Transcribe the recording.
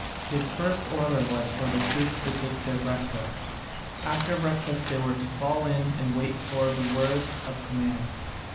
His first order was for the troops to take their breakfast: after breakfast they were to fall in and wait for the word of command.